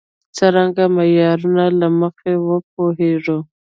څرنګه معیارونو له مخې وپوهېږو.